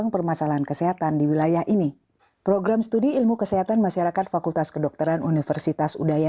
tempatnya jauh sepeda motor nggak punya